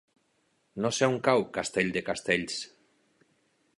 No sé on cau Castell de Castells.